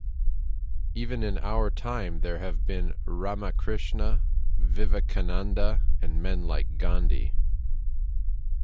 Even in our time there have been Ramakrishna, Vivekananda, and men like Gandhi.